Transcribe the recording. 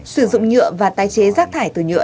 sử dụng nhựa và tái chế rác thải từ nhựa